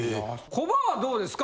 コバはどうですか？